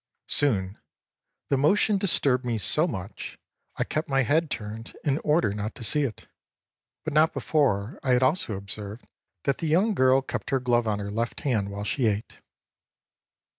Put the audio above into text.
Soon, the motion disturbed me so much, I kept my head turned in order not to see it. But not before I had also observed that the young girl kept her glove on her left hand while she ate.